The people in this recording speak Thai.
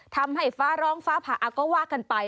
ทำให้ฟ้าร้องฟ้าผ่าก็ว่ากันไป